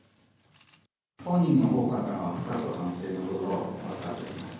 本人のほうから深く反省のことばを預かっております。